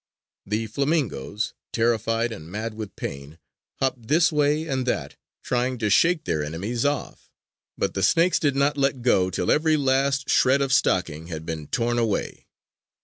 The flamingoes, terrified and mad with pain, hopped this way and that, trying to shake their enemies off. But the snakes did not let go till every last shred of stocking had been torn away.